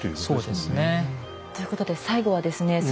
そうですね。ということで最後はですね